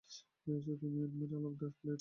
তিনি admiral of the fleet হিসেবে নিযুক্ত হন।